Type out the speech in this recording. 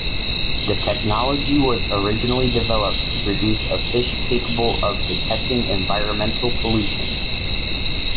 The technology was originally developed to produce a fish capable of detecting environmental pollution.